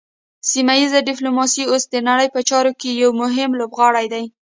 سیمه ایز ډیپلوماسي اوس د نړۍ په چارو کې یو مهم لوبغاړی دی